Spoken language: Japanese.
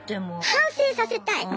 反省させたい。